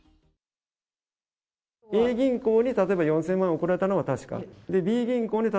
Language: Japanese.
Ａ銀行に、例えば４０００万送られたのは、確かなんです。